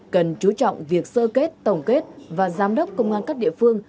cần chú trọng việc sơ kết tổng kết và giám đốc công an các địa phương